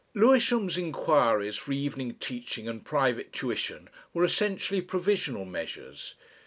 Lewisham's inquiries for evening teaching and private tuition were essentially provisional measures.